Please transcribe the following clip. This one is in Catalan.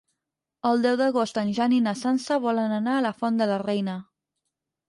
El deu d'agost en Jan i na Sança volen anar a la Font de la Reina.